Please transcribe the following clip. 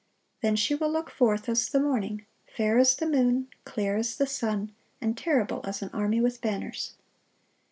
(701) Then she will look forth "as the morning, fair as the moon, clear as the sun, and terrible as an army with banners."